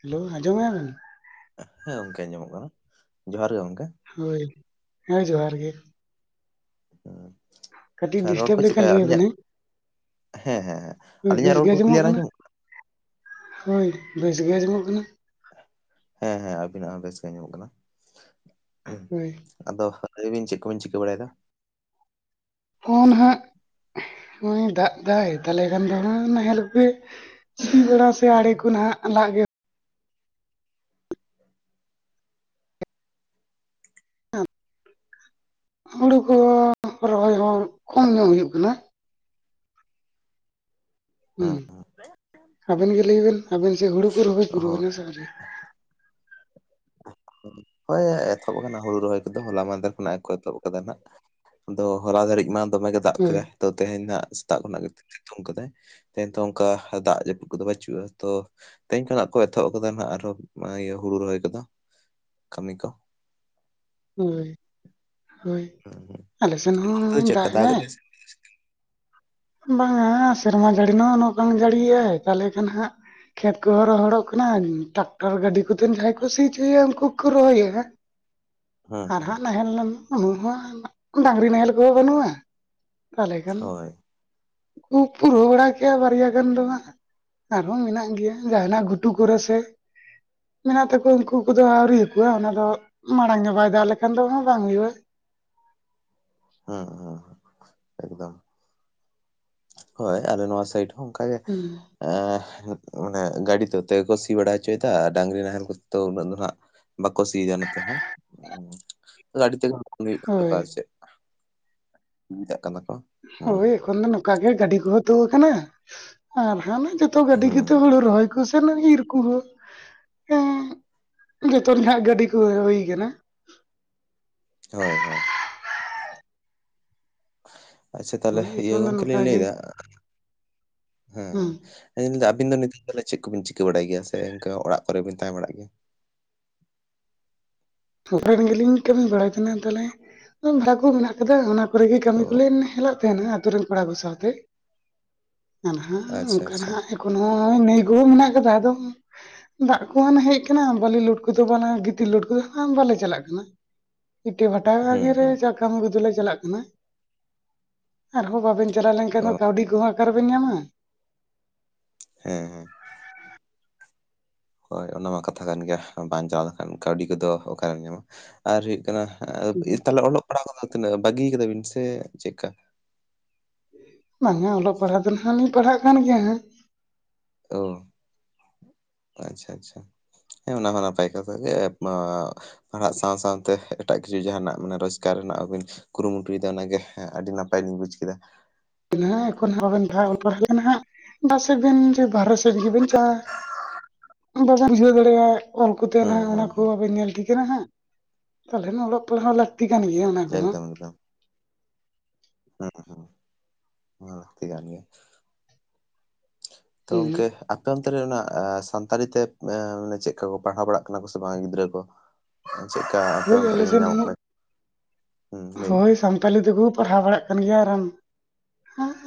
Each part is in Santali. ᱦᱮᱞᱳ ᱟᱸᱡᱚᱢᱮᱜᱼᱟ ᱵᱮᱱ? ᱦᱮᱸ ᱜᱚᱝᱠᱮ ᱟᱸᱡᱚᱢᱚᱜ ᱠᱟᱱᱟ, ᱡᱚᱦᱟᱨ ᱜᱮ ᱜᱚᱝᱠᱮ ᱾ ᱦᱳᱭ, ᱦᱮᱸ ᱡᱚᱦᱟᱨ ᱜᱮ ᱾ ᱦᱮᱸ ᱠᱟᱹᱴᱤᱡ ᱟᱪᱪᱷᱟ ᱨᱚᱲ ᱰᱤᱥᱴᱟᱵᱽ ᱠᱚ ᱪᱮᱫᱠᱟᱹ ᱞᱮᱠᱷᱟᱱ ᱞᱟᱹᱭ ᱟᱹᱞᱤᱧᱟᱜ ᱟᱵᱮᱱᱟᱹᱧ ᱦᱮᱸ ᱦᱮᱸ ᱦᱮᱸ, ᱦᱳᱭ ᱟᱹᱞᱤᱧᱟᱜ ᱵᱮᱥ ᱨᱚᱲ ᱜᱮ ᱠᱚ ᱠᱞᱤᱭᱟᱨ ᱠᱟᱱᱟ ᱟᱸᱡᱚᱢᱚᱜ ᱦᱳᱭ, ᱵᱮᱥ ᱜᱮ ᱟᱸᱡᱚᱢᱚᱜ ᱠᱟᱱᱟ ᱾ ᱦᱮᱸ, ᱦᱮᱸ, ᱟᱹᱵᱤᱱᱟᱜ ᱦᱚᱸ ᱵᱮᱥ ᱜᱮ ᱟᱸᱡᱚᱢ ᱠᱟᱱᱟ ᱾ ᱦᱳᱭ ᱾ ᱟᱫᱚ ᱦᱟᱹᱛᱟᱹᱭᱼᱵᱤᱱ ᱪᱮᱫ ᱠᱚᱵᱤᱱ ᱪᱤᱠᱟᱹ ᱵᱟᱲᱟᱭᱮᱫᱟ? ᱚᱻ ᱱᱟᱦᱟᱜ ᱦᱚᱜᱼᱚᱭ ᱫᱟᱜ ᱫᱟᱭ ᱛᱟᱞᱮ ᱠᱷᱟᱱ ᱫᱚ ᱦᱟᱜ ᱱᱟᱦᱮᱞ ᱠᱚᱜᱮ ᱥᱤ ᱵᱟᱲᱟ ᱥᱮ ᱟᱲᱮ ᱠᱚ ᱱᱟᱦᱟᱜ ᱞᱟᱜ ᱜᱮ ᱦᱳᱲᱳ ᱠᱚ ᱨᱚᱦᱚᱭ ᱦᱚ ᱠᱚᱢ ᱧᱚᱜ ᱦᱩᱭᱩᱜ ᱠᱟᱱᱟ ᱾ ᱦᱩᱸ, ᱦᱮᱸ ᱟᱵᱮᱱ ᱜᱮ ᱞᱟᱹᱭ ᱵᱮᱱ ᱟᱵᱮᱱ ᱥᱮᱫ ᱦᱩᱲᱩ ᱠᱚ ᱨᱚᱦᱚᱭ ᱦᱳᱭ ᱯᱩᱨᱟᱹᱣᱱᱟ ᱥᱮ ᱟᱹᱣᱨᱤ? ᱦᱳᱭ ᱮᱛᱚᱦᱚᱵ ᱟᱠᱟᱱᱟ ᱦᱩᱲᱩ ᱨᱚᱦᱚᱭ ᱠᱚᱫᱚ ᱦᱚᱞᱟ ᱢᱟᱫᱮᱨ ᱠᱷᱚᱱᱟᱜ ᱠᱚ ᱮᱛᱚᱦᱚᱵ ᱟᱠᱟᱫᱟ ᱱᱟᱜ ᱾ ᱟᱫᱚ ᱦᱚᱞᱟ ᱫᱷᱟᱹᱨᱤᱡ ᱢᱟ ᱫᱚᱢᱮ ᱜᱮ ᱫᱟᱜ ᱦᱳᱭ ᱠᱮᱫᱟᱭ ᱫᱚ ᱛᱮᱦᱮᱧ ᱫᱚ ᱦᱟᱸᱜ ᱥᱮᱛᱟᱜ ᱠᱷᱚᱱᱟᱜ ᱜᱮ ᱥᱤᱛᱩᱝ ᱠᱟᱫᱟᱭ ᱾ ᱛᱮᱦᱮᱧ ᱛᱚ ᱚᱝᱠᱟ ᱫᱟᱜ ᱡᱟᱯᱩᱫ ᱠᱚᱫᱚ ᱵᱟᱪᱩᱜᱼᱟ ᱛᱚ ᱛᱮᱦᱮᱧ ᱠᱷᱚᱱᱟᱜ ᱠᱚ ᱮᱛᱚᱦᱚᱵ ᱟᱠᱟᱫᱟ ᱱᱟᱜ ᱟᱨᱚ ᱱᱚᱣᱟ ᱤᱭᱟᱹ ᱦᱩᱲᱩ ᱨᱚᱦᱚᱭ ᱠᱚᱫᱚ ᱾ ᱠᱟᱹᱢᱤ ᱠᱚ ᱾ ᱦᱳᱭ, ᱦᱳᱭ, ᱦᱩᱸ ᱦᱩᱸ ᱟᱞᱮᱥᱮᱱ ᱚᱱᱛᱮ ᱫᱚ ᱦᱚᱸ ᱪᱮᱫᱠᱟ ᱫᱟᱜ ᱫᱟᱭ ᱮᱫᱟᱭ ᱾ ᱵᱟᱝᱟ ᱥᱮᱨᱢᱟ ᱡᱟᱹᱲᱤ ᱱᱚ ᱱᱚᱠᱟᱱ ᱡᱟᱹᱲᱤᱭᱟᱭ ᱛᱟᱦᱚᱞᱮ ᱠᱷᱟᱱ ᱦᱟᱸᱜ ᱠᱷᱮᱛ ᱠᱚᱦᱚᱸ ᱨᱚᱦᱚᱲᱚᱜ ᱠᱟᱱᱟ ᱴᱟᱠᱼᱼ ᱴᱟᱨ ᱜᱟᱹᱰᱤ ᱠᱚᱛᱮᱱ ᱡᱟᱦᱟᱸᱭ ᱠᱚ ᱥᱤ ᱚᱪᱚᱭᱟ ᱩᱱᱠᱩ ᱠᱚ ᱨᱚᱦᱚᱭᱮᱜᱼᱟ, ᱦᱮᱸ ᱟᱨ ᱦᱮᱸ ᱦᱟᱸᱜ ᱱᱟᱦᱮᱞ ᱞᱮᱱ [unintelligible] ᱰᱟᱝᱨᱤ ᱱᱟᱦᱮᱞ ᱠᱚᱦᱚᱸ ᱵᱟᱹᱱᱩᱜᱼᱟ, ᱛᱟᱦᱚᱞᱮ ᱠᱷᱟᱱ ᱦᱳᱭ ᱩᱵ ᱯᱩᱨᱟᱹᱣ ᱵᱟᱲᱟ ᱠᱮᱜᱼᱟ ᱵᱟᱨᱭᱟ ᱜᱟᱱ ᱫᱚ ᱦᱟᱜ ᱾ ᱟᱨᱦᱚᱸ ᱢᱮᱱᱟᱜ ᱜᱮᱭᱟ ᱡᱟᱦᱟᱱᱟᱜ ᱜᱷᱩᱴᱩ ᱠᱚᱨᱮ ᱥᱮ ᱢᱮᱱᱟᱜ ᱛᱟᱠᱚᱣᱟ ᱩᱝᱠᱩ ᱠᱚᱫᱚ ᱟᱹᱣᱨᱤᱭᱟᱠᱚᱣᱟ ᱚᱱᱟ ᱫᱚ ᱢᱟᱲᱟᱝ ᱜᱮ ᱵᱟᱭ ᱫᱟᱜ ᱞᱮᱠᱷᱟᱱ ᱫᱚ ᱦᱟᱸᱜ ᱵᱟᱝ ᱦᱩᱭᱩᱜᱼᱟ ᱾ ᱦᱮᱸ ᱾ ᱦᱳᱭ, ᱟᱞᱮ ᱱᱚᱣᱟ ᱥᱟᱭᱤᱰ ᱦᱚᱸ ᱚᱝᱠᱟᱜᱮ ᱦᱩᱸ ᱾ ᱮᱻ ᱢᱟᱱᱮ ᱜᱟᱹᱰᱤ ᱛᱚ ᱛᱮᱠᱚ ᱥᱤ ᱵᱟᱲᱟ ᱦᱚᱪᱚᱭᱮᱫᱟ ᱰᱟᱝᱨᱤ ᱱᱟᱦᱮᱞ ᱠᱚᱛᱮ ᱫᱚ ᱩᱱᱟᱹᱜ ᱫᱚ ᱱᱟᱦᱟᱜ ᱵᱟᱠᱚ ᱥᱤᱭᱮᱫᱟ ᱱᱚᱛᱮ ᱦᱚᱸ, ᱛᱟᱦᱚᱞᱮ ᱟᱹᱰᱤ ᱛᱮᱜᱮ [inaudible] ᱦᱩᱭᱩᱜ ᱠᱟᱱ ᱛᱟᱠᱚ ᱦᱳᱭ ᱥᱮᱜ ᱾ ᱫᱟᱠᱟ ᱫᱠᱚᱼᱼ? ᱦᱳᱭ ᱮᱠᱷᱚᱱ ᱫᱚ ᱱᱚᱝᱠᱟ ᱜᱮ ᱜᱟᱹᱰᱤ ᱠᱚ ᱛᱩ ᱟᱠᱟᱱᱟ ᱟᱨ ᱦᱟᱸ ᱠᱷᱟᱱ ᱡᱚᱛᱚ ᱜᱟᱹᱰᱤ ᱦᱩᱸ ᱜᱮᱛᱮ ᱦᱩᱲᱩ ᱨᱚᱦᱚᱭ ᱠᱚ ᱥᱟ ᱢᱩᱫᱤ [unintelligible] ᱤᱨ ᱠᱚᱦᱚᱸ ᱡᱷᱚᱛᱚ ᱱᱟᱦᱟᱜ ᱜᱟᱹᱰᱤ ᱠᱚ ᱜᱮ ᱦᱩᱭ ᱟᱠᱟᱱᱟ ᱾ ᱦᱳᱭ ᱦᱳᱭ ᱟᱪᱪᱷᱟ ᱛᱟᱦᱚᱞᱮ ᱦᱳᱭ ᱤᱭᱟᱹ ᱮᱠᱷᱚᱱ ᱫᱚ ᱜᱚᱢᱠᱮ ᱱᱚᱝᱠᱟ ᱞᱤᱧ ᱜᱮ ᱞᱟᱹᱭᱫᱟ ᱦᱩᱸ ᱦᱮᱸ ᱛᱮᱸᱦᱮᱧ ᱫᱚ ᱟᱵᱤᱱ ᱫᱚ ᱱᱤᱛᱚᱜ ᱪᱮᱫ ᱠᱚᱵᱤᱱ ᱪᱤᱠᱟᱹ ᱵᱟᱲᱟᱭ ᱜᱮᱭᱟ ᱥᱮ ᱤᱱᱠᱟᱹ ᱚᱲᱟᱜ ᱠᱚᱨᱮᱵᱤᱱ ᱛᱟᱦᱮᱸ ᱵᱟᱲᱟᱜ ᱜᱮᱭᱟ? [unintelligible] ᱜᱮᱞᱤᱧ ᱠᱟᱹᱢᱤ ᱵᱟᱲᱟᱭ ᱠᱟᱱᱟ ᱛᱟᱦᱚᱞᱮ ᱵᱷᱟᱲᱟ ᱠᱚ ᱢᱮᱱᱟᱜ ᱟᱠᱟᱫᱟ ᱚᱱᱟ ᱠᱚᱨᱮ ᱜᱮ ᱜᱮ ᱠᱟᱹᱢᱤ ᱚ ᱠᱚᱞᱮᱧ ᱦᱮᱞᱟᱜ ᱛᱟᱦᱮᱱᱟ ᱟᱹᱛᱩ ᱨᱮᱱ ᱠᱚᱲᱟ ᱠᱚ ᱥᱟᱶᱛᱮᱼᱼ ᱟᱨᱦᱚ ᱟᱪᱪᱷᱟ ᱚᱱᱠᱟ ᱟᱪᱪᱷᱟ ᱦᱟᱜ ᱮᱠᱷᱮᱱ ᱦᱚᱸ ᱱᱟᱹᱭ ᱜᱚᱲᱚ ᱢᱮᱱᱟᱜ ᱜᱮᱫᱚ ᱟᱫᱚᱼᱼ ᱫᱟᱜ ᱠᱚ ᱦᱟᱱᱮ ᱦᱮᱡ ᱟᱠᱟᱱᱟ ᱵᱟᱞᱤ ᱞᱳᱰ ᱠᱚᱫᱚ ᱵᱟᱝ ᱜᱤᱛᱤᱞ ᱞᱳᱰ ᱠᱚᱫᱚ ᱵᱟᱞᱮ ᱪᱟᱞᱟᱜ ᱠᱟᱱᱟ ᱤᱴᱟᱹ ᱵᱷᱟᱴᱟ ᱦᱩᱸ ᱦᱩᱸ ᱠᱟᱹᱢᱤ ᱠᱚᱫᱚ ᱪᱟᱞᱟᱜ ᱠᱟᱱᱟ ᱟᱨᱦᱚ ᱵᱟᱵᱮᱱ ᱪᱟᱞᱟᱣ ᱞᱮᱱ ᱠᱟ. ᱚ ᱭᱰᱤ ᱦᱟᱸᱜ-ᱟ ᱚᱠᱟ ᱨᱮᱵᱮᱱ ᱧᱟᱢᱟ ᱦᱮ ᱦᱮ ᱦᱳᱭ ᱚᱱᱟ ᱢᱟ ᱠᱟᱛᱷᱟ ᱠᱟᱱ ᱜᱮᱭᱟ ᱵᱟᱝ ᱪᱟᱞᱟᱣ ᱞᱮᱠᱷᱟᱱ ᱠᱟᱹᱣᱰᱤ ᱠᱚᱫᱚ ᱚᱠᱟᱨᱮᱢ ᱧᱟᱢᱟ ᱟᱨ ᱦᱩᱭᱩᱜ ᱠᱟᱱᱟ ᱛᱟᱦᱮ ᱚᱞᱚᱜ ᱯᱟᱲᱦᱟᱣ ᱠᱚᱫᱚ ᱛᱤᱱᱟᱹᱜ ᱵᱟᱹᱜᱤ ᱟᱠᱟᱫᱟ ᱵᱤᱱ ᱥᱮ ᱪᱮᱫ ᱠᱟ ᱵᱟᱝ-ᱟ ᱚᱞᱚᱜ ᱯᱟᱲᱦᱟᱣ ᱫᱚ ᱱᱟᱦᱟᱸᱜ ᱞᱤᱧ ᱯᱟᱲᱦᱟᱜ ᱠᱟᱱ ᱜᱮᱭᱟ ᱦᱟᱸᱜ ᱚ ᱟᱪᱪᱷᱟ ᱟᱪᱪᱷᱟ ᱦᱮ ᱚᱱᱟ ᱱᱟᱯᱟᱭ ᱠᱟᱛᱷᱟ ᱜᱮ ᱯᱟᱲᱦᱟᱜ ᱥᱟᱶᱟ ᱥᱟᱶᱟᱛᱮ ᱮᱴᱟᱜ ᱠᱤᱪᱷᱩ ᱡᱟᱦᱟᱱᱟᱜ ᱨᱳᱡᱽᱜᱟᱨ ᱨᱮᱱᱟᱜ ᱵᱤᱱ ᱠᱩᱨᱩ-ᱢᱩᱴᱩᱭ ᱫᱟ ᱚᱱᱟᱜᱮ ᱟᱹᱰᱤ ᱱᱟᱯᱟᱭ ᱟᱹᱰᱤ ᱱᱟᱯᱟᱭ ᱞᱤᱧ ᱵᱩᱪ ᱠᱮᱫᱟ ᱮᱠᱷᱚᱱ ᱼᱼ ᱚᱞ ᱯᱟᱲᱦᱟᱣ ᱯᱟᱥᱮᱫ ᱵᱤᱱ ᱵᱟᱦᱨᱮ ᱥᱮᱫ ᱜᱮᱵᱮᱱ ᱪᱟᱞᱟᱜᱼᱟ ᱵᱟᱵᱮᱱ ᱵᱷᱤᱨᱟᱹᱣ ᱫᱟᱲᱮ ᱟ ᱚᱞ ᱠᱚᱛᱮ ᱱᱟ ᱦᱩᱸ ᱦᱟᱸᱜ ᱚᱱᱟ ᱦᱩᱸ ᱠᱚ ᱦᱩᱸ ᱟᱵᱮᱱ ᱧᱮᱞ ᱴᱷᱤᱠᱱᱟ ᱦᱟᱸᱜ ᱛᱟᱦᱚᱞᱮ ᱚᱞᱚᱜ ᱯᱟᱲᱦᱟᱜ ᱦᱟ ᱛᱤ ᱠᱟᱱᱟ ᱜᱮᱭᱟ ᱚᱱᱟ ᱠᱚᱫᱚ ᱮᱠᱫᱚᱢ ᱮᱠᱫᱚᱢ [unintelligible] ᱛᱚ ᱦᱩᱸ ᱜᱚᱝᱠᱮ ᱚᱱᱛᱮ ᱨᱮ ᱚᱱᱟ ᱥᱟᱱᱛᱟᱞᱤ ᱛᱮ ᱪᱮᱫᱠᱟ ᱠᱚ ᱯᱟᱲᱦᱟᱣ ᱵᱟᱲᱟᱜ ᱠᱟᱱᱟ ᱠᱚ ᱥᱮ ᱵᱟᱝ ᱜᱤᱫᱽᱨᱟᱹ ᱠᱚ ᱪᱮᱫᱠᱟ ᱟᱯᱮ ᱦᱳᱭ ᱚᱱᱛᱮ ᱟᱞᱮ ᱨᱮ ᱥᱮᱱ ᱟᱢᱚᱜ ᱦᱚᱸ ᱠᱟᱱᱟ ᱦᱮ ᱞᱟ. ᱭ ᱢᱮ ᱦᱳᱭ ᱥᱟᱱᱛᱟᱞᱤ ᱛᱮᱠᱚ ᱯᱟᱲᱦᱟᱣ ᱵᱟᱲᱟᱜ ᱠᱟᱱ ᱜᱮᱭᱟ ᱟᱨ ᱮᱢ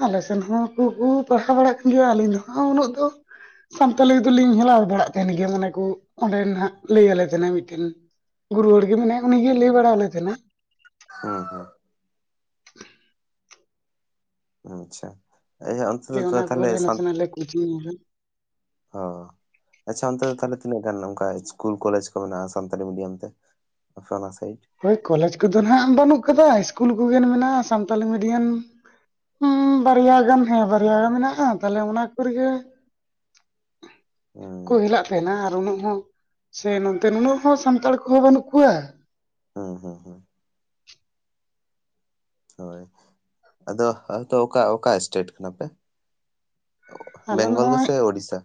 ᱟᱞᱮ ᱥᱮᱱ ᱦᱚᱸ ᱠᱚᱠᱚ ᱯᱟᱲᱦᱟᱣ ᱵᱟᱲᱟᱜ ᱠᱟᱱ ᱜᱮᱭᱟ ᱟᱹᱞᱤᱧ ᱫᱚ ᱦᱟᱸᱜ ᱩᱱᱟᱹᱜ ᱫᱚ ᱥᱟᱱᱛᱟᱞᱤ ᱫᱚᱞᱤᱧ ᱦᱮᱞᱟᱣ ᱵᱟᱲᱟᱜ ᱛᱟᱦᱮᱱ ᱜᱮᱭᱟ ᱢᱚᱱᱮ ᱠᱚ ᱚᱸᱴᱰᱮ ᱞᱟᱹᱭ ᱟᱞᱮ ᱛᱟᱦᱮᱸᱱᱟ ᱢᱤᱫᱴᱤᱱ ᱜᱩᱨᱩ ᱦᱚᱲ ᱜᱮ ᱢᱮᱱᱟᱭᱟ ᱩᱱᱤ ᱜᱮ ᱞᱟᱹᱭ ᱵᱟᱲᱟ ᱟᱞᱮ ᱛᱟᱦᱮᱱᱟᱭ ᱦᱩ ᱦᱩ ᱟᱪᱪᱷᱟ ᱮᱭᱟ ᱚᱱᱛᱮ ᱛᱟᱦᱞᱮ ᱥᱟᱱᱹᱹᱹ ᱟᱞᱮ ᱠᱩᱪ ᱦᱚ ᱟᱪᱪᱷᱟ ᱚᱱᱛᱮ ᱫᱚ ᱛᱟᱦᱚᱞᱮ ᱛᱤᱱᱟᱹᱜ ᱜᱟᱱ ᱚᱱᱠᱟ ᱤᱥᱠᱩᱞ ᱠᱚᱞᱮᱡᱽ ᱠᱚ ᱢᱮᱱᱟᱜᱼᱟ ᱥᱟᱱᱛᱟᱞᱤ ᱢᱤᱰᱤᱭᱟᱢ ᱛᱮ, ᱦᱟᱱᱟᱥᱟᱭᱤᱴ ᱦᱳᱭ ᱠᱚᱞᱮᱡᱽ ᱠᱚᱫᱚ ᱦᱟᱸᱜ ᱵᱟᱹᱱᱩᱜ ᱠᱟᱫᱟ ᱤᱥᱠᱩᱞ ᱠᱚᱜᱮ ᱢᱮᱱᱟᱜᱼᱟ ᱥᱟᱱᱛᱟᱞᱤ ᱢᱤᱰᱤᱭᱟᱢ ᱵᱟᱨᱭᱟ ᱜᱟᱱ ᱦᱮ ᱵᱟᱨᱭᱟ ᱜᱟᱱ ᱢᱮᱱᱟᱜᱼᱟ ᱛᱟᱦᱞᱮ ᱚᱱᱟ ᱠᱚᱨᱮ ᱜᱮ [inaudible] ᱠᱚ ᱦᱩᱸ ᱦᱮᱞᱟᱜ ᱛᱟᱦᱮᱱᱟ ᱟᱨ ᱩᱱᱟᱹᱜ ᱦᱚ ᱥᱮ ᱱᱚᱛᱮ ᱦᱚ ᱥᱟᱱᱛᱟᱲ ᱠᱚᱦᱚ ᱵᱟᱹᱱᱩᱜ ᱠᱚᱣᱟ ᱦᱩ ᱦᱩ ᱦᱩ ᱦᱳᱭ ᱟᱫᱚ ᱟᱫᱚ ᱚᱠᱟ ᱚᱠᱟ ᱮᱥᱴᱮᱴ ᱠᱟᱱᱟ ᱯᱮ, ᱟᱞᱮ ᱵᱮᱝᱜᱚᱞ ᱱᱚᱜᱼᱚᱭ ᱜᱮᱥᱮ ᱳᱲᱤᱥᱥᱟ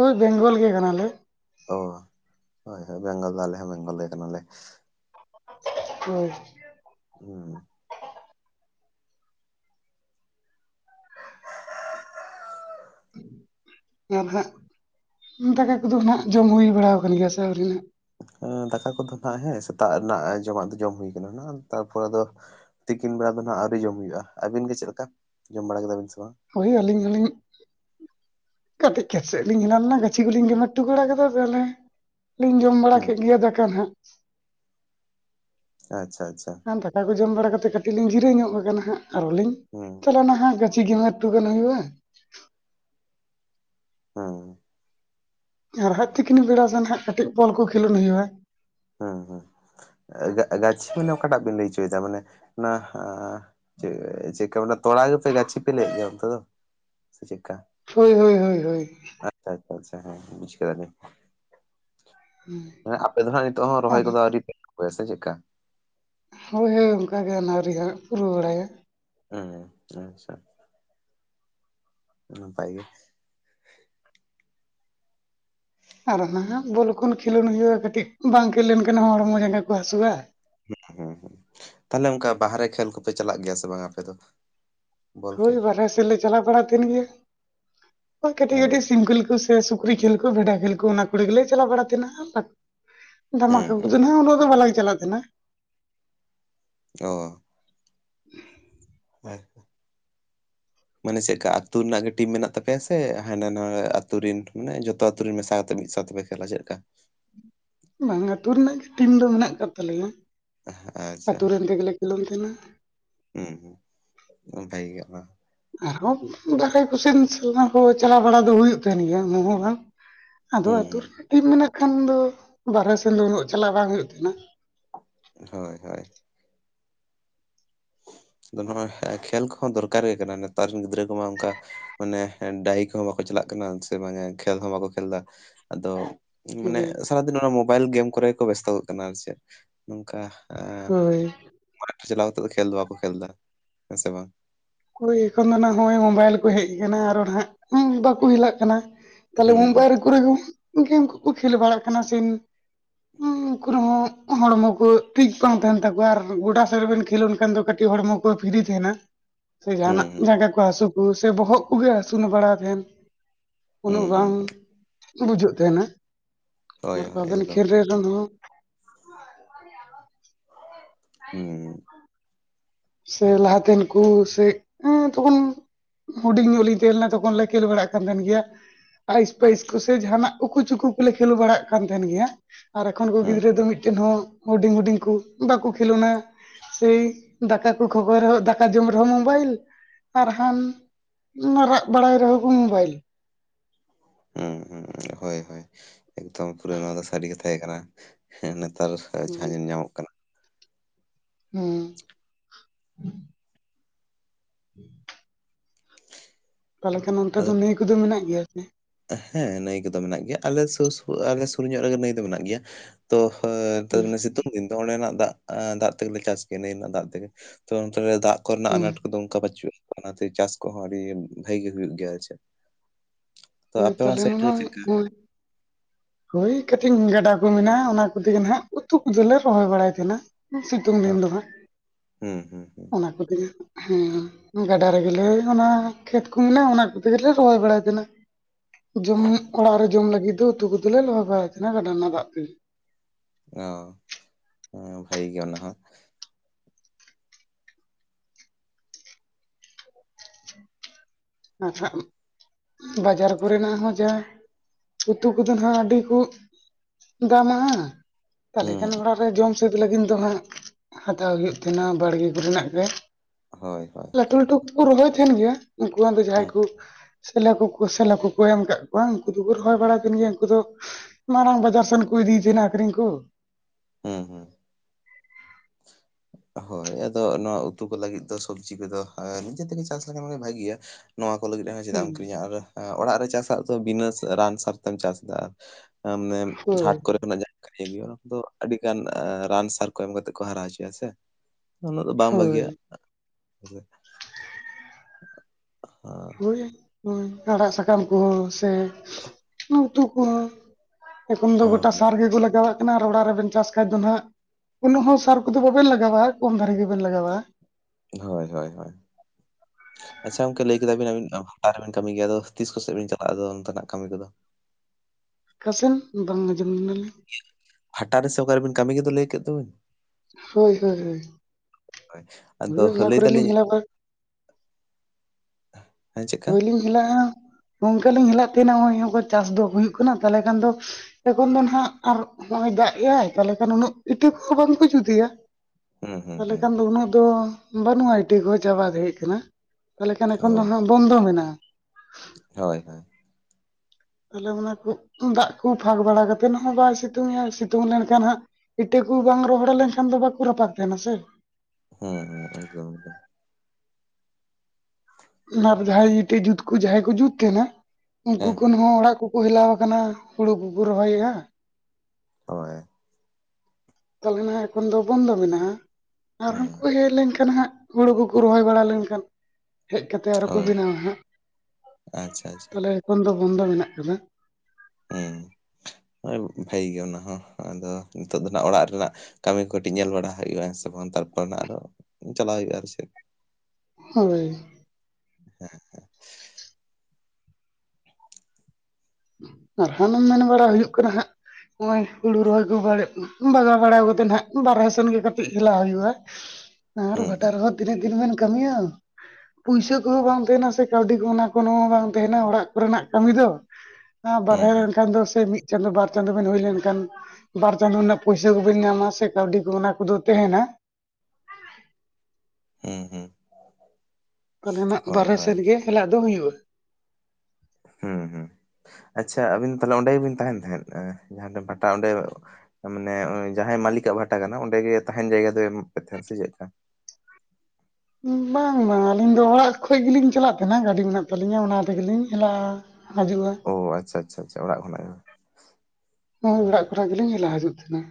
ᱳᱭ ᱵᱮᱝᱜᱚᱞ ᱜᱮ ᱠᱟᱱᱟ ᱞᱮ᱾ ᱚ ᱦᱳᱭᱼᱦᱳᱭ ᱵᱮᱝᱜᱚᱞ ᱫᱚ ᱟᱞᱮ ᱦᱚ ᱵᱮᱝᱜᱚᱞ ᱜᱮ ᱠᱟᱱᱟ ᱞᱮ ᱦᱩ ᱦᱩᱢ ᱟᱨ ᱦᱟᱸᱜ ᱫᱟᱠᱟ ᱠᱚᱫᱚ ᱦᱟᱸᱜ ᱡᱚᱢ ᱦᱩᱭ ᱵᱟᱲᱟ ᱠᱟᱱᱟ ᱜᱮᱭᱟ ᱥᱮ ᱟᱹᱣᱨᱤᱼᱼ ᱫᱟᱠᱟ ᱠᱚᱫᱚ ᱱᱟᱦᱟᱜ ᱦᱮ ᱥᱮᱛᱟᱜ ᱨᱮᱱᱟᱜ ᱡᱚᱢᱟᱜ ᱫᱚ ᱡᱚᱢ ᱦᱩᱭ ᱠᱟᱱᱟ ᱛᱟᱨ ᱯᱚᱨᱮ ᱫᱚ ᱛᱤᱠᱤᱱ ᱵᱮᱲᱟ ᱫᱚ ᱱᱟᱦᱟᱸᱜ ᱟᱹᱣᱨᱤ ᱡᱚᱢ ᱦᱩᱭᱩᱜᱼᱟ ᱟᱹᱵᱤᱱ ᱜᱮ ᱪᱮᱫ ᱞᱮᱠᱟ ᱡᱚᱢ ᱵᱟᱲᱟ ᱠᱮᱫᱟ ᱵᱤᱱ ᱥᱮ ᱵᱟᱝ? ᱦᱳᱭ ᱟᱹᱞᱤᱧ ᱦᱚᱞᱤᱧᱼᱼ ᱠᱟᱹᱴᱤᱡ ᱠᱷᱮᱛ ᱥᱮᱫ ᱞᱤᱧ ᱦᱮᱞᱟ ᱞᱮᱱᱟ ᱜᱟᱹᱪᱷᱤ ᱠᱚᱞᱤᱧ ᱜᱮᱢᱟᱨ ᱦᱚᱴᱩ ᱵᱟᱲᱟ ᱠᱟᱫᱟ ᱛᱟᱦᱚᱞᱮᱼᱼ ᱞᱤᱧ ᱡᱚᱢ ᱵᱟᱲᱟ ᱠᱮᱫ ᱦᱩᱸ ᱜᱮᱭᱟ ᱫᱟᱠᱟ ᱱᱟᱦᱟᱸᱜᱼᱼ ᱟᱪᱪᱷᱟ, ᱟᱪᱪᱷᱟ, ᱫᱟᱠᱟ ᱠᱚ ᱡᱚᱢ ᱵᱟᱲᱟ ᱠᱟᱛᱮᱫ ᱠᱟᱹᱴᱤᱡ ᱞᱤᱧ ᱡᱤᱨᱟᱹ ᱧᱚᱜ ᱟᱠᱟᱱᱟ ᱦᱟᱸᱜ ᱟᱨᱦᱚᱞᱤᱧ ᱦᱩᱸ ᱪᱚᱞᱚᱱ ᱜᱟᱹᱪᱷᱤ ᱜᱮᱡᱮᱨᱼᱼ ᱛᱩ ᱜᱟᱱ ᱦᱩᱭᱩᱜᱼᱟ᱾ ᱦᱮᱸᱻ ᱟᱨᱦᱚ ᱛᱤᱠᱤᱱ ᱵᱮᱲᱟ ᱥᱮᱱ ᱦᱟᱸᱜ ᱠᱟᱹᱴᱤᱡ ᱵᱚᱞ ᱠᱚ ᱠᱷᱮᱞᱳᱰ ᱦᱩᱭᱩᱜᱼᱟ᱾ ᱦᱩᱸ ᱦᱩᱸ [inaudible] ᱜᱟᱹᱪᱷᱤ ᱢᱟᱱᱮ ᱚᱠᱟᱴᱟᱜ ᱵᱮᱱ ᱞᱟᱹᱭ ᱦᱚᱪᱚᱭᱮᱫᱟ ᱢᱟᱱᱮ ᱚᱱᱟᱼᱼ ᱪ ᱪᱮᱫᱠᱟ ᱟᱱᱮ ᱛᱚᱲᱟᱯᱮ ᱜᱟᱹᱪᱷᱤ ᱯᱮ ᱞᱟᱹᱭ ᱜᱮᱭᱟ ᱚᱱᱛᱮ ᱫᱚ ᱥᱮ ᱪᱮᱫᱠᱟ? ᱦᱳᱭ ᱦᱳᱭ ᱦᱳᱭ ᱦᱳᱭ᱾ ᱟᱪᱪᱷᱟ ᱟᱪᱪᱷᱟ ᱟᱪᱪᱷᱟ ᱦᱮᱸ ᱱᱤᱥ ᱠᱮᱫ ᱫᱮ ᱟᱯᱮ ᱫᱚ ᱦᱟᱜᱼᱼ ᱨᱚᱦᱚᱭ ᱟᱨ ᱜᱚᱫ ᱟᱹᱣᱨᱤ ᱥᱮ ᱪᱮᱫᱮᱠᱟ? ᱦᱳᱭ ᱦᱳᱭ ᱚᱱᱠᱟᱜ ᱜᱮ ᱟᱹᱣᱨᱤ ᱦᱟᱸᱟᱜ ᱨᱩᱣ [unintelligible] ᱦᱮᱸ ᱦᱮᱸ ᱟᱪᱪᱷᱟ ᱱᱟᱯᱟᱭ ᱜᱮ ᱟᱨ ᱦ ᱵᱚᱞ ᱠᱷᱚᱱ ᱠᱷᱮᱞᱳᱰ ᱦᱩᱭᱩᱜᱼᱟ ᱠᱟᱹᱴᱤᱡ ᱵᱟᱝ ᱠᱷᱮᱞ ᱞᱮᱱᱠᱷᱟᱱ ᱦᱚᱲᱢᱚ ᱡᱟᱸᱜᱟ ᱠᱚ ᱦᱟᱹᱥᱩᱼᱟ᱾ ᱦᱮᱸ ᱦᱮᱸ ᱦᱚᱸ ᱛᱟᱦᱞᱮ ᱚᱱᱠᱟ ᱵᱟᱦᱨᱮ ᱠᱷᱹᱮᱞ ᱠᱚᱯᱮ ᱪᱟᱞᱟᱜ ᱜᱮᱭᱟ ᱥᱮ ᱵᱟᱝ ᱟᱯᱮ ᱫᱚ? ᱵᱚᱞ ᱳᱭ ᱠᱷᱮᱞ ᱵᱟᱨᱦᱮ ᱥᱮᱫ ᱞᱮ ᱪᱟᱞᱟᱣ ᱵᱟᱲᱟ ᱛᱟᱦᱮᱱ ᱜᱮᱭᱟᱭ ᱠᱟᱹᱴᱤᱡ ᱠᱟᱹᱴᱤᱡ ᱚ ᱥᱤᱢᱠᱩᱞᱼᱼ ᱥᱮ ᱥᱩᱠᱨᱤ ᱠᱷᱮᱞ ᱠᱚ ᱵᱷᱮᱰᱟ ᱠᱷᱮᱞ ᱠᱚ ᱚᱱᱟ ᱠᱩᱲ ᱜᱮᱞᱮ ᱪᱟᱞᱟᱣ ᱵᱟᱲᱟ ᱛᱟᱦᱮᱱᱟ᱾ ᱦᱩᱸ ᱫᱷᱟᱢᱟᱠᱟ ᱠᱚᱩ ᱦᱩᱸ ᱩᱱᱟᱹᱜ ᱫᱚ ᱵᱟᱞᱟᱝ ᱪᱟᱞᱟᱜ ᱛᱟᱦᱮᱱᱟ᱾ ᱚᱻ [inaudible] [inaudible] [inaudible] ᱢᱟᱱᱮ ᱪᱮᱫᱠᱟ ᱟᱹᱛᱩ ᱨᱮᱱᱟᱜ ᱜᱮ ᱴᱤᱢ ᱢᱮᱱᱟᱜ ᱛᱟᱯᱮᱭᱟ ᱥᱮ ᱦᱟᱱᱟ ᱱᱟᱣᱟ ᱟᱹᱛᱩ ᱨᱮᱱ ᱢᱟᱱᱮ ᱡᱚᱛᱚ ᱟᱹᱛᱩ ᱨᱮᱱ ᱢᱮᱥᱟ ᱠᱟᱛᱮ ᱢᱤᱫ ᱥᱟᱶ ᱛᱮᱯᱮᱼᱼ ᱪᱞᱟ ᱪᱮᱫ ᱞᱮᱠᱟ? ᱵᱟᱝ ᱟᱹᱛᱩ ᱨᱮᱱᱟᱜ ᱜᱮ ᱴᱤᱢ ᱫᱚ ᱢᱮᱱᱟᱜ ᱟᱠᱟᱫ ᱛᱟᱞᱮᱭᱟ᱾ ᱟᱪᱪᱷᱟ ᱟᱹᱛᱩ ᱨᱮᱱ ᱛᱮᱜᱮᱞᱮ ᱠᱷᱮᱞᱳᱱ ᱛᱟᱦᱮᱱᱟ ᱦᱩᱸ ᱵᱷᱟᱹᱜᱮ ᱟᱫᱚ ᱾ ᱟᱨᱦᱚᱸ ᱫᱟᱭ ᱠᱩᱥᱤᱱ ᱠᱚ ᱪᱟᱞᱟᱣ ᱵᱟᱲᱟ ᱫᱚ ᱦᱩᱭᱩᱜ ᱛᱟᱦᱮᱱ ᱜᱮᱭᱟ ᱦᱚᱸ ᱵᱟᱝ᱾ ᱟᱫᱚ ᱦᱩᱸ ᱟᱛᱳ ᱦᱩᱸ ᱨᱮᱱᱟᱜ ᱴᱤᱢ ᱢᱮᱱᱟᱜ ᱠᱷᱟᱱ ᱫᱚ ᱵᱟᱨᱦᱮ ᱥᱮᱱ ᱫᱚ ᱩᱱᱟᱹᱜ ᱪᱟᱞᱟᱜ ᱵᱟᱝ ᱦᱩᱭᱩᱜ ᱛᱟᱦᱱᱟ ᱾ ᱦᱳᱭ ᱦᱳᱭ᱾ ᱟᱫᱚ ᱱᱚᱣᱟ ᱠᱷᱮᱹᱞ ᱠᱚᱦᱚᱸ ᱫᱚᱨᱠᱟᱨ ᱜᱮ ᱠᱟᱱᱟ ᱱᱮᱛᱟᱨ ᱨᱮᱱ ᱜᱤᱫᱽᱨᱟᱹ ᱠᱚᱢᱟ ᱚᱱᱠᱟᱼᱼ ᱢᱟᱱᱮ ᱰᱟᱭᱤ ᱠᱚᱦᱚᱸ ᱵᱟᱠᱚ ᱪᱟᱞᱟᱜ ᱠᱟᱱᱟ ᱥᱮ ᱵᱟᱝᱮ ᱠᱷᱮᱞ ᱦᱚᱸ ᱵᱟᱠᱚ ᱠᱷᱮᱞ ᱮᱫᱟ ᱟᱫᱚᱼᱼ ᱢᱟᱱᱮ ᱦᱳᱭ ᱥᱟᱨᱟ ᱫᱤᱱ ᱢᱳᱵᱟᱭᱤᱞ ᱜᱮᱢ ᱠᱚᱨᱮ ᱜᱮ ᱠᱚ ᱵᱮᱥᱛᱜ ᱠᱟᱱᱟ ᱟᱨ ᱪᱮᱫ ᱱᱚᱝᱠᱟᱼᱼ ᱦᱳᱭ᱾ ᱢᱟᱴᱨᱮ ᱪᱟᱞᱟᱣ ᱠᱟᱛᱮᱚ ᱠᱷᱮᱞ ᱫᱚ ᱵᱟᱠᱚ ᱠᱷᱮᱞ ᱮᱫᱟ ᱦᱮᱸ ᱥᱮ ᱵᱟᱝ᱾ ᱚᱠᱚᱭ ᱮᱠᱷᱚᱱ ᱫᱚ ᱱᱟ ᱱᱚᱜᱼᱚᱭ ᱢᱳᱵᱟᱭᱤᱞ ᱠᱚ ᱦᱮᱡ ᱟᱠᱟᱱᱟ᱾ ᱟᱨᱚ ᱱᱟᱦᱟᱜ ᱵᱟᱠᱚ ᱦᱮᱞᱟᱜ ᱠᱟᱱᱟ ᱾ ᱛᱟᱦᱞᱮ ᱦᱩᱸ ᱦᱩᱸ ᱢᱳᱵᱟᱤᱧᱞ ᱠᱚᱨᱮ ᱫᱚ ᱜᱮᱢ ᱠᱚᱼᱠᱚ ᱠᱷᱮᱞ ᱵᱟᱲᱟᱜ ᱠᱟᱱᱟ ᱥᱮ ᱩᱱᱠᱩ ᱨᱮᱦᱚᱸ ᱦᱚᱲᱢᱚ ᱠᱚ, ᱴᱷᱤᱠ ᱵᱟᱝ ᱛᱟᱦᱮᱱ ᱛᱟᱠᱩᱣᱟ ᱾ ᱟᱨ ᱜᱚᱰᱟ ᱥᱮᱫ ᱨᱮᱵᱮᱱ ᱠᱷᱮᱞᱳᱱ ᱠᱷᱟᱱ ᱫᱚ ᱠᱟᱹᱴᱤᱡ ᱦᱚᱲᱢᱚ ᱠᱚ ᱚᱠᱚᱭ ᱯᱷᱨᱤ ᱛᱟᱦᱮᱱᱟ ᱾ ᱥᱮ ᱦᱩᱸ ᱡᱟᱦᱟᱱᱟᱜ ᱦᱩᱸ ᱡᱟᱸᱜᱟ ᱠᱚ ᱦᱥᱩ ᱠᱚ, ᱥᱮ ᱵᱚᱦᱚᱜ ᱠᱚᱜᱮ ᱦᱟᱹᱥᱩ ᱵᱟᱲᱟᱭ ᱛᱟᱦᱮᱸᱱ ᱩᱱᱟᱹᱜ ᱦᱩᱸ ᱦᱩᱸ ᱵᱟᱝ, ᱦᱩᱸ ᱵᱩᱡᱷᱟᱹᱜ ᱛᱟᱦᱮᱱᱟ ᱾ ᱦᱳᱭ ᱟᱨ ᱦᱳᱭ ᱵᱟᱵᱮᱱ ᱮᱠᱫᱚᱢ ᱠᱷᱤᱨ ᱨᱮ ᱦᱩᱸ ᱥᱮ ᱞᱟᱦᱟᱛᱮᱱᱠᱩ ᱥᱮ, ᱮᱸ ᱛᱚᱠᱷᱚᱱ ᱦᱩᱰᱤᱧ ᱧᱚᱜ ᱞᱤᱧ ᱛᱟᱦᱮᱸ ᱞᱮᱱᱟ᱾ ᱛᱚᱠᱷᱚᱱ ᱠᱷᱮᱞ ᱵᱟᱲᱟ-ᱜ ᱠᱟᱱ ᱛᱟᱦᱮᱱ ᱜᱮᱭᱟ ᱾ ᱯᱟᱭᱤᱥ - ᱯᱟᱭᱤᱥ ᱠᱚᱥᱮ ᱡᱟᱦᱟᱱᱟᱜ ᱩᱠᱩ ᱪᱩᱠᱩ ᱠᱚᱞᱮ, ᱠᱷᱮᱞᱳ ᱵᱟᱲᱟᱜ ᱠᱟᱱ ᱛᱟᱦᱮᱱ ᱜᱮᱭ-ᱟ᱾ ᱟᱨ ᱮᱠᱷᱚᱱ ᱠᱚ ᱦᱩᱸ ᱜᱤᱫᱽᱨᱟᱹ ᱦᱩᱸ ᱫᱚ, ᱢᱤᱫᱴᱮᱱ ᱦᱚᱸ ᱦᱩᱰᱤᱧ - ᱦᱩᱰᱤᱧ ᱠᱚ ᱵᱟᱠᱚ ᱠᱷᱮᱞᱳᱱᱟ ᱥᱮᱭ ᱫᱟᱠᱟ ᱠᱚ ᱠᱷᱚᱜᱚᱨ, ᱨᱮᱦᱚᱸ ᱫᱟᱠᱟ ᱡᱚᱢ ᱨᱮᱦᱚᱸ ᱢᱳᱚᱵᱟᱭᱤᱞ᱾ ᱟᱨ ᱦᱟᱱ ᱨᱟᱜ ᱵᱟᱲᱟᱭ ᱨᱮᱦᱚᱸ ᱠᱚ ᱢᱳᱵᱟᱭᱤᱞ ᱾ ᱦᱩᱸ, ᱦᱚᱸ ᱦᱳᱭ ᱦᱳᱭ ᱮᱠᱫᱚᱢ ᱯᱩᱨᱟᱹ ᱱᱚᱣᱟ ᱫᱚ ᱥᱟᱹᱲᱤ ᱜᱮ ᱛᱟᱦᱮᱸ ᱠᱟᱱᱟ᱾ ᱱᱮᱛᱟᱨ ᱡᱟᱦᱟᱸ ᱧᱮᱞ ᱧᱟᱢᱚᱜ ᱠᱟᱱᱟ᱾ ᱦᱩᱸ [inaudible] ᱛᱟᱦᱚᱞᱮ ᱠᱷᱟᱱ ᱚᱱᱛᱮ ᱟᱫᱚ ᱫᱚ ᱱᱤᱭᱟᱹ ᱠᱚᱼᱫᱚ ᱢᱮᱱᱟᱜ ᱜᱮᱭᱟ ᱟᱨᱠᱤ? ᱦᱮᱸ ᱱᱟᱹᱭ ᱠᱚᱼᱫᱚ ᱢᱮᱱᱟᱜ ᱜᱮᱭᱟ᱾ ᱟᱞᱮ ᱟᱞᱮ ᱥᱩᱨ ᱧᱚᱜ ᱨᱮᱜᱮ ᱱᱟᱹᱭ ᱫᱚ ᱢᱮᱱᱟᱜ ᱜᱮᱭᱟ ᱾ ᱛᱚ ᱦᱟᱭ ᱚᱱᱛᱮ ᱫᱚ ᱦᱮᱸ ᱚᱱᱮ ᱥᱤᱛᱩᱝ ᱤᱱ ᱫᱚ ᱚᱸᱰᱮᱱᱟᱜ ᱫᱟᱜ, ᱫᱟᱜ ᱛᱮᱜᱮᱞᱮ ᱪᱟᱥ ᱠᱮᱭᱟ ᱾ ᱱᱟᱹᱭᱹ ᱨᱮᱱᱟᱜ ᱫᱟᱜ ᱛᱮᱜᱮ ᱛᱚ ᱚᱱᱛᱮᱨᱮ ᱫᱟᱜ ᱠᱚᱨᱮᱱᱟᱜ ᱟᱱᱟᱴ ᱠᱚᱼᱫᱚ ᱚᱱᱠᱟ ᱵᱟᱹᱪᱩᱜᱼᱟ ᱾ ᱚᱱᱟᱛᱮ ᱪᱟᱥ ᱠᱚᱼᱦᱚᱸ ᱟᱹᱰᱤ ᱵᱷᱟᱜᱮ ᱜᱮ ᱦᱩᱭᱩᱜ ᱜᱮᱭᱟ? ᱟᱨ ᱪᱮ ᱦᱳᱭ, ᱛᱟᱦᱞᱮ ᱢᱟ ᱱᱟᱜ ᱦᱚᱭ ᱦᱳᱭ ᱠᱟᱴᱤᱡ ᱜᱟᱰᱟ ᱠᱚ ᱢᱮᱱᱟᱜᱼᱟ᱾ ᱚᱱᱟ ᱠᱚᱛᱮᱜᱮ ᱱᱦᱟᱜ ᱩᱛᱩ ᱠᱚᱫᱚᱞᱮ ᱨᱚᱦᱚᱭ ᱵᱟᱲᱟᱭ ᱛᱟᱦᱮᱱᱟ᱾ ᱥᱤᱛᱩᱝ ᱚ ᱫᱤᱱ ᱫᱚ ᱦᱟᱜ, ᱦᱩᱸ ᱦᱩᱸ ᱦᱩᱸ ᱚᱱᱟ ᱠᱚᱛᱮᱜᱮ ᱦᱮᱸ ᱜᱟᱰᱟ ᱨᱮᱜᱮᱞᱮ, ᱚᱱᱟ ᱠᱷᱮᱛ ᱠᱚ ᱢᱮᱱᱟᱜᱼᱟ᱾ ᱚᱱᱟ ᱠᱚᱛᱮᱜᱮᱞᱮ ᱨᱚᱦᱚᱭ ᱵᱟᱲᱟᱭ ᱛᱟᱦᱮᱱᱟ᱾ ᱡᱚᱢ ᱚᱲᱟᱜ ᱨᱮ ᱡᱚᱢ ᱞᱟᱹᱜᱤᱫ ᱫᱚ ᱩᱛᱩ ᱠᱚᱫᱚᱞᱮ ᱞᱚᱦᱚᱭ ᱵᱟᱲᱟᱭ ᱛᱟᱦᱮᱱᱟ᱾ ᱜᱟᱰᱟ ᱨᱮᱱᱟ-ᱜ ᱫᱟᱜ ᱛᱮᱜᱮ᱾ ᱚ ᱦᱚ ᱵᱷᱟᱜᱤ ᱜᱮᱭᱟ ᱚᱱᱟ ᱦᱚᱸ᱾ ᱟᱪᱪᱷᱟ ᱵᱟᱡᱟᱨ ᱠᱚᱨᱮᱱᱟᱜ ᱦᱚᱸ ᱡᱟᱭ, ᱩᱛᱩ ᱠᱚᱼᱫᱚ ᱱᱟᱜ ᱟᱹᱰᱤ ᱠᱚ᱾ ᱫᱟᱢᱟ, ᱟ ᱛᱟᱦᱞᱮ ᱦᱩᱸ ᱠᱷᱟᱱ ᱚᱲᱟᱜ ᱨᱮ ᱡᱚᱢ ᱥᱟᱹᱛ ᱞᱟᱹᱜᱤᱫ ᱫᱚ, ᱦᱟᱸᱜ ᱦᱟᱛᱟᱣ ᱦᱩᱭᱩᱜ ᱛᱟᱦᱮᱱᱟ ᱵᱟᱲᱜᱮ ᱠᱚᱨᱮᱱᱟᱜ ᱜᱮ᱾ ᱦᱳᱭ ᱦᱳᱭ ᱞᱟᱹᱴᱩ - ᱞᱟᱹᱴᱩ ᱠᱚ ᱨᱚᱦᱚᱭ ᱛᱟᱦᱮᱦᱱ ᱜᱮᱭᱟ ᱾ᱩᱱᱠᱩᱣᱟᱜ ᱫᱚ ᱡᱟᱦᱟᱸᱭ ᱦᱩᱸ ᱠᱚ ᱥᱮᱞᱚ ᱠᱚ ᱥᱮᱞᱚ ᱠᱚᱼᱠᱚ ᱮᱢ ᱠᱟᱜ ᱠᱚᱣᱟ᱾ ᱩᱱᱠᱩ ᱫᱚᱠᱚ ᱨᱚᱦᱚᱭ ᱵᱟᱲᱟ ᱠᱟᱱ ᱜᱮᱭᱟ᱾ ᱩᱱᱠᱩ ᱫᱚ ᱢᱟᱨᱟᱝ ᱵᱟᱡᱟᱨ ᱥᱮᱱ ᱠᱚ ᱤᱫᱤ ᱛᱟᱭᱱᱟ ᱟᱠᱷᱨᱤᱧ ᱠᱚ᱾ ᱦᱮᱸ ᱦᱮᱸ ᱦᱳᱭ ᱟᱫᱚ ᱱᱚᱣᱟ ᱩᱛᱩ ᱠᱚ ᱞᱟᱹᱜᱤᱫ ᱫᱚ, ᱥᱚᱵᱽᱡᱤ ᱠᱚᱼᱫᱚ ᱱᱤᱡᱮ ᱛᱮᱜᱮ ᱪᱟᱥ ᱞᱮᱠᱷᱟᱱ ᱵᱷᱟᱹᱜᱤᱭᱟ᱾ ᱱᱚᱣᱟ ᱠᱚ ᱞᱟᱹᱜᱤᱫ ᱦᱚᱸ ᱪᱮᱫᱟᱜ ᱦᱩᱸ ᱮᱢ ᱠᱤᱨᱤᱧᱟ ᱾ ᱟᱨ ᱚᱲᱟᱜ ᱨᱮ ᱪᱟᱥᱟᱜ ᱫᱚ, ᱵᱤᱱᱟᱹ ᱨᱟᱱ ᱥᱟᱨ ᱛᱮᱢ ᱪᱟᱥᱫᱟ᱾ ᱢᱟᱱᱮ ᱦᱳᱭ ᱦᱟᱴ ᱠᱚᱨᱮ ᱠᱷᱚᱱᱟᱜ ᱭᱟᱹ ᱚᱱᱟ ᱠᱚᱼᱫᱚ ᱟᱹᱰᱤ ᱜᱟᱱ ᱨᱟᱱ ᱥᱟᱨ ᱠᱚ ᱮᱢ ᱠᱟᱛᱮᱫ ᱠᱚ᱾ ᱦᱟᱨᱟ ᱦᱚᱪᱚᱭᱟ ᱥᱮ᱾ ᱩᱱᱟᱜ ᱫᱚ ᱵᱟᱝ ᱵᱷᱟᱹᱜᱤᱭᱟ᱾ ᱦᱳᱭ ᱦ [unintelligible] ᱦᱳᱭ, ᱚᱶᱟ ᱦᱸ ᱟᱲᱟᱜ ᱥᱟᱠᱟᱢ ᱠᱚᱼᱦᱚᱸ ᱥᱮ ᱩᱛᱩ ᱠᱚᱼᱦᱚᱸ ᱾ ᱮᱠᱷᱚᱱ ᱫᱚ ᱦᱮᱸ ᱜᱚᱴᱟ ᱥᱟᱨ ᱜᱮᱠᱚ ᱞᱟᱜᱟᱣᱟ᱾ ᱚᱱᱟ ᱨᱮᱵᱮᱱ ᱪᱟᱥ ᱠᱷᱟᱡ ᱫᱩᱱᱟᱹᱜ ᱩᱱᱟᱹᱜ ᱦᱚᱸ ᱥᱟᱨ ᱠᱚᱫᱚ ᱵᱟᱵᱮᱱ ᱞᱟᱜᱟᱣᱟ ᱠᱚᱢ ᱫᱷᱟᱨᱟ ᱜᱮᱵᱮᱱ ᱞᱟᱜᱟᱣᱟ ᱾ ᱦᱳᱭ ᱦᱳᱭ ᱦᱳᱭ ᱾ ᱟᱪᱪᱷᱟ ᱜᱚᱝᱠᱮ ᱞᱟᱹᱭ ᱠᱮᱫᱟ ᱵᱤᱱ ᱟᱹᱵᱤᱱ ᱛᱟᱨ ᱵᱤᱱ ᱠᱟᱹᱢᱤ ᱜᱮᱭᱟ ᱟᱫᱚ ᱛᱤᱥ ᱠᱚᱥᱮᱫ ᱵᱤᱱ ᱪᱟᱞᱟᱜᱼᱟ ᱟᱫᱚ ᱚᱱᱛᱮᱱᱟᱜ ᱠᱟᱹᱢᱤ ᱠᱚᱫᱚ? ᱠᱟᱥᱮᱱ ᱵᱟᱝ [unintelligible] ᱞᱮᱱᱟ ᱞᱤᱱ ᱾ ᱤᱭᱟᱹᱜ ᱦᱟᱴᱟ ᱨᱮᱥᱮ ᱚᱠᱟᱨᱮᱵᱤᱱ ᱠᱟᱹᱢᱤ ᱜᱮᱫᱚ ᱞᱟᱹᱭ ᱠᱮᱫ ᱫᱚᱵᱤᱱ? ᱦᱳᱭ ᱦᱳᱭ ᱦᱳᱭ ᱦᱳᱭ ᱟᱫᱚ ᱦᱳᱭ ᱚᱱᱟ ᱞᱟᱹᱭ ᱠᱚᱨᱮ ᱞᱤᱧ ᱫᱟᱞᱤᱧ ᱦᱮᱞᱟ ᱯᱟᱭ ᱾ ᱦᱮᱸ ᱪᱮᱫᱠᱟ ᱦᱳᱭᱞᱤᱧ ᱦᱮᱞᱟᱜᱼᱟ ᱱᱚᱝᱠᱟᱞᱤᱧ ᱦᱮᱞᱟᱜ ᱠᱟᱱᱟ ᱚᱭ ᱦᱚᱠᱚ ᱪᱟᱥ ᱫᱚ ᱦᱩᱭᱩᱜ ᱠᱟᱱᱟ ᱛᱟᱞᱮ ᱠᱷᱟᱱ ᱫᱚ ᱾ ᱮᱠᱷᱚᱱ ᱫᱚ ᱱᱟᱦᱱᱟᱜ ᱟᱨ ᱦᱚᱸᱜ ᱚᱭ ᱫᱟᱜ ᱮᱟᱭ ᱛᱟᱦᱞᱮ ᱠᱷᱟᱱ ᱩᱱᱟᱹᱜ ᱤᱛᱟᱹ ᱠᱚᱦᱚᱸ ᱵᱟᱝᱠᱚ ᱡᱩᱫᱤᱭᱟ ᱾ ᱦᱩᱸ ᱦᱩᱸ ᱛᱟᱦᱞᱮ ᱦᱩᱸ ᱠᱷᱟᱱ ᱫᱚ ᱩᱱᱟᱹᱜ ᱫᱚ ᱵᱟᱹᱱᱩᱜᱼᱟ ᱤᱴᱟᱹ ᱠᱚ ᱪᱟᱵᱟ ᱦᱩᱭ ᱠᱟᱱᱟ ᱛᱟᱞᱮ ᱠᱷᱟᱱ ᱚ ᱮᱠᱷᱚᱱ ᱫᱚ ᱦᱟᱢ ᱾ ᱵᱚᱱᱫᱚ ᱢᱮᱱᱟᱜᱼᱟ ᱾ ᱦᱳᱭ ᱦᱳᱭ, ᱛᱟᱞᱮ ᱚᱱᱟ ᱠᱩ ᱫᱟᱜ ᱠᱚ ᱯᱷᱟᱸᱠ ᱵᱟᱲᱟ ᱠᱟᱛᱮᱫ ᱦᱚᱸ ᱵᱟᱭ ᱥᱤᱛᱩᱝ ᱮᱭᱟ ᱥᱤᱛᱩᱝ ᱞᱮᱱᱠᱷᱟᱱ ᱦᱟᱸᱜ ᱤᱴᱟᱹ ᱠᱚ ᱵᱟᱝ ᱨᱚᱦᱚᱲ ᱞᱮᱱᱠᱷᱟᱱ ᱫᱚ ᱵᱟᱠᱚ ᱨᱟᱯᱟᱜ ᱛᱟᱦᱮᱱᱟ ᱥᱮ ᱾ ᱦᱩᱸ ᱦᱩᱸ ᱮᱠᱫᱚᱢ ᱮᱠᱫᱚᱢ ᱾ ᱱᱟᱠ ᱡᱟᱦᱟᱸᱭ ᱤᱴᱟᱹ ᱡᱩᱛ ᱠᱩ ᱡᱟᱦᱟᱸᱭ ᱠᱚ ᱡᱩᱛ ᱠᱟᱱᱟ ᱩᱱᱠᱩ ᱦᱮᱸ ᱠᱚ ᱦᱟᱸ ᱚᱲᱟᱜ ᱠᱚᱠᱚ ᱦᱮᱞᱟᱣ ᱠᱟᱱᱟ ᱦᱩᱲᱩ ᱠᱚᱠᱚ ᱨᱚᱦᱚᱭᱮᱜᱼᱟ ᱾ ᱦᱳᱭ, ᱛᱟᱞᱦᱮ ᱦᱟᱸᱜ ᱮᱠᱷᱚᱱ ᱫᱚ ᱵᱚᱱᱫᱚ ᱢᱮᱱᱟᱜᱼᱟ ᱟᱨ ᱦᱩᱸ ᱦᱟᱱᱠᱩ ᱦᱮᱡ ᱞᱮᱱᱠᱷᱟᱱ ᱦᱟᱸᱜ ᱦᱩᱲᱩ ᱠᱚᱠᱚ ᱨᱚᱦᱚᱭ ᱵᱟᱲᱟ ᱞᱮᱱᱠᱷᱟᱱ ᱾ ᱦᱮᱡ ᱠᱟᱛᱮᱜ ᱟᱨᱚ ᱠᱚ ᱦᱳᱭ ᱵᱮᱱᱟᱣᱟ ᱦᱟᱸᱜ ᱟᱪᱪᱷᱟ ᱟᱪᱪᱷᱟ ᱛᱟᱦᱞᱮ ᱮᱠᱷᱚᱱ ᱫᱚ ᱵᱚᱱᱫᱚ ᱢᱮᱱᱟᱜ ᱠᱟᱫᱟ ᱾ ᱦᱩᱸ ᱦᱳᱭ ᱵᱷᱟᱹᱜᱤ ᱜᱮ ᱚᱱᱟ ᱦᱚᱸ ᱟᱫᱚ ᱱᱤᱛᱚᱜ ᱫᱚ ᱱᱟᱜ ᱚᱲᱟᱜ ᱨᱮᱱᱟᱜ ᱠᱟᱹᱢᱤ ᱠᱚᱴᱤᱡ ᱧᱮᱞ ᱵᱟᱲᱟ ᱦᱩᱭᱩᱜ ᱟ ᱥᱮ ᱵᱟᱝ ᱛᱟᱨᱯᱚᱨ ᱟᱨᱚ ᱪᱟᱞᱟᱜ ᱦᱩᱭᱩᱜᱼᱟ ᱟᱨ ᱪᱮᱫ? ᱦᱳᱭ, ᱦᱮᱸ ᱦᱮᱸ ᱾ ᱟᱨ ᱦᱟᱱᱟᱢ ᱢᱮᱱ ᱵᱟᱲᱟ ᱦᱩᱭᱩᱜ ᱠᱟᱱᱟ ᱦᱟᱸᱜ ᱾ ᱚᱭ ᱦᱩᱲᱩ ᱨᱚᱦᱚᱭ ᱠᱚ ᱵᱟᱲᱮ ᱵᱟᱜᱟᱣ ᱵᱟᱲᱟ ᱠᱟᱛᱮᱜ ᱱᱟᱜ ᱵᱟᱨᱦᱮ ᱥᱮᱱ ᱜᱮ ᱠᱟᱹᱴᱤᱡ ᱞᱟ ᱦᱩᱭᱩᱜᱼᱟ᱾ ᱟᱨ ᱦᱩᱸ ᱵᱷᱟᱴᱟ ᱦᱩᱸ ᱨᱮᱦᱚᱸ ᱛᱤᱱᱟᱹᱜ ᱫᱤᱱ ᱵᱤᱱ ᱠᱟᱹᱢᱤᱭᱟ᱾ ᱯᱩᱭᱥᱟᱹ ᱠᱚᱦᱚᱸ ᱵᱟᱝ ᱛᱟᱦᱮᱸᱱᱟ ᱥᱮ ᱠᱟᱹᱣᱰᱤ ᱠᱚ ᱚᱱᱟ ᱠᱚᱱᱦᱚᱸ ᱵᱟᱝ ᱛᱟᱦᱮᱸᱱᱟ ᱚᱲᱟᱜ ᱠᱚᱨᱮᱱᱟᱜ ᱠᱟᱹᱢᱤ ᱫᱚ᱾ ᱟᱸ ᱦᱩᱸ ᱵᱟᱨᱦᱮ ᱨᱮ ᱦᱩᱸ ᱞᱮᱱᱠᱷᱟᱱ ᱫᱚ ᱥᱮ ᱢᱤᱫ ᱪᱟᱸᱫᱳ ᱵᱟᱨ ᱪᱟᱸᱫᱳ ᱵᱮᱱ ᱦᱩᱭ ᱞᱮᱱᱠᱷᱟᱱ, ᱵᱟᱨ ᱪᱟᱸᱫᱳ ᱱᱟᱜ ᱯᱩᱭᱥᱟᱹ ᱠᱚᱵᱮᱱ ᱧᱟᱢᱟ ᱥᱮ ᱠᱟᱹᱣᱰᱤ ᱠᱚ ᱚᱱᱟ ᱠᱚᱫᱚ ᱛᱟᱦᱮᱸᱱᱟ᱾ ᱦᱮᱸ ᱦᱮᱸ, ᱠᱟᱫᱚ ᱱᱟᱜ ᱵᱟᱨᱦᱮ ᱥᱮᱫ ᱜᱮ ᱦᱮᱞᱟᱜ ᱫᱚ ᱦᱩᱭᱩᱜᱼᱟ᱾ ᱦᱩᱸ ᱦᱩᱸ ᱟᱪᱷᱟ ᱟᱵᱤᱱ ᱛᱟᱦᱞᱮ ᱚᱸᱰᱮ ᱜᱮᱵᱤᱱ ᱛᱟᱦᱮᱸᱱ ᱛᱟᱦᱮᱸᱫ ᱮᱸ ᱡᱟᱦᱟᱸ ᱵᱤᱱ ᱵᱷᱟᱴᱟ ᱚᱸᱰᱮ ᱢᱟᱱᱮ ᱡᱟᱦᱟᱸᱭ ᱢᱟᱹᱞᱤᱠᱟᱜ ᱵᱷᱟᱴᱟ ᱠᱟᱱᱟ ᱚᱸᱰᱮ ᱜᱮ ᱛᱟᱦᱮᱸᱱ ᱡᱟᱭᱜᱟ ᱫᱚᱭ ᱮᱢᱟ ᱯᱮ ᱛᱟᱦᱮᱸ ᱥᱮ ᱪᱮᱜᱠᱟ? ᱵᱟᱝ ᱵᱟᱝ ᱟᱹᱞᱤᱧ ᱫᱚ ᱚᱲᱟᱜ ᱠᱷᱚᱡ ᱜᱮᱞᱤᱧ ᱪᱟᱞᱟᱜ ᱛᱷᱮᱱᱟ ᱜᱟᱹᱰᱤ ᱢᱮᱱᱟᱜ ᱛᱟᱹᱞᱤᱧᱟ ᱚᱱᱟ ᱛᱮᱜᱮᱞᱤᱧ ᱦᱤᱞᱟᱜᱼᱟ᱾ ᱦᱟᱡᱩᱜᱼᱟ᱾ ᱳ ᱟᱪᱷᱟ ᱟᱪᱷᱟ ᱟᱪᱷᱟ ᱚᱲᱟᱜ ᱠᱷᱚᱱᱟᱜ ᱜᱮ᱾ ᱦᱚᱸ ᱦᱩᱸ ᱚᱲᱟᱜ ᱦᱩᱸ ᱠᱷᱚᱱᱟᱜ ᱜᱮᱞᱤᱧ ᱦᱮᱞᱟ ᱦᱤᱡᱩᱜ ᱠᱟᱱᱟ,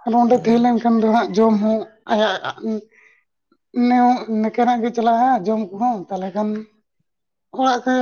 ᱛᱷᱟᱞᱮ ᱚᱸᱰᱮ ᱛᱮᱦᱮᱸ ᱦᱩᱸ ᱞᱮᱱ ᱠᱷᱟᱱ ᱫᱚ ᱦᱟᱸᱜ᱾ ᱡᱚᱢ ᱦᱚᱸ ᱟᱭᱟᱜ [inaudible] ᱱᱮ ᱱᱮᱠᱟᱱᱟᱜ ᱜᱮ ᱪᱟᱞᱟᱜᱼᱟ ᱡᱚᱢ ᱠᱚᱦᱚᱸ ᱛᱟᱞᱦᱮ ᱠᱷᱟᱱ ᱚᱲᱟᱜ ᱛᱮ